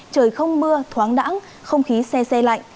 trời không mưa thoáng đẳng không khí xe xe lạnh